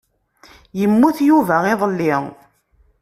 Yemmut Yuba iḍelli.